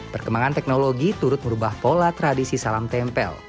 perkembangan teknologi turut merubah pola tradisi salam tempel